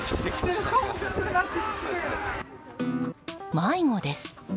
迷子です。